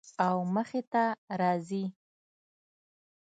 او مخې ته راځي